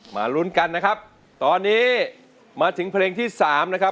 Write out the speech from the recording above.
ลุ้นกันนะครับตอนนี้มาถึงเพลงที่สามนะครับ